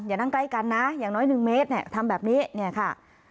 อย่านั่งใกล้กันนะอย่างน้อย๑เมตรทำแบบนี้ค่ะ